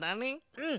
うん。